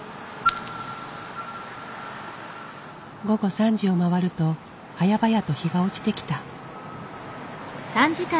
午後３時を回るとはやばやと日が落ちてきた。